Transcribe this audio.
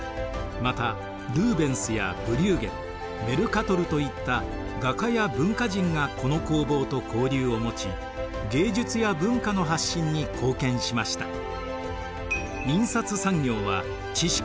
またルーベンスやブリューゲルメルカトルといった画家や文化人がこの工房と交流を持ち芸術や文化の発信に貢献しました。